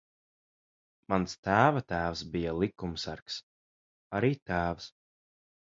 Mans tēva tēvs bija likumsargs. Arī tēvs.